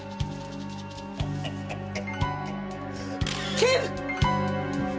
警部！